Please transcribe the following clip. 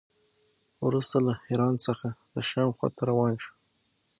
وروسته له حران څخه د شام خوا ته روان شو.